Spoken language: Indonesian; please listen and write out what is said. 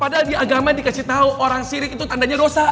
padahal dia agama dikasih tahu orang sirik itu tandanya dosa